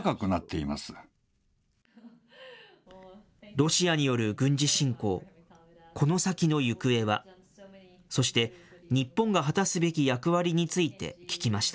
ロシアによる軍事侵攻、この先の行方は、そして、日本が果たすべき役割について聞きました。